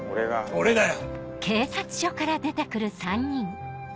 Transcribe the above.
俺だよ！